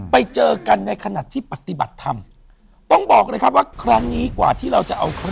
ไปเจอกันในขณะที่ปฏิบัติทำ